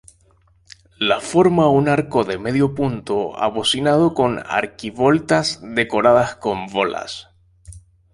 La forma un arco de medio punto abocinado con arquivoltas decoradas con bolas.